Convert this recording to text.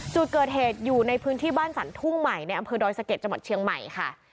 จุดเกิดเหตุอยู่ในพื้นที่บ้านสรรทุ่งใหม่ในอำเภอดอยสะเก็ดจังหวัดเชียงใหม่ค่ะ